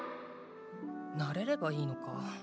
慣れればいいのか？